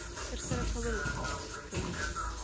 ترسره کول کوي.